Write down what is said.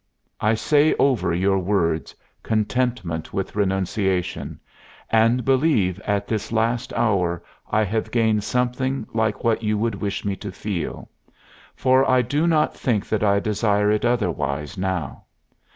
I say over your words, "Contentment with Renunciation," and believe that at this last hour I have gained something like what you would wish me to feel. For I do not think that I desire it otherwise now.